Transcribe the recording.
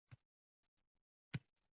Onajonim uchun tuxfa